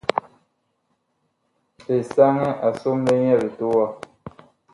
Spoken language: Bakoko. Esanɛ a somle nyɛ litowa.